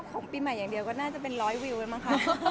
ก็ปีใหม่อย่างเดียวก็น่าจะเป็น๑๐๐วิวมั้ยคะ